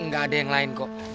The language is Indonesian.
nggak ada yang lain kok